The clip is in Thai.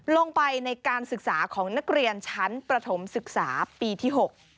ลงไปในการศึกษาของนักเรียนชั้นประถมศึกษาปีที่๖